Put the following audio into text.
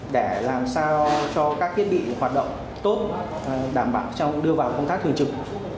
để làm sao cho các thiết bị hoạt động tốt đảm bảo đưa vào công tác thường trực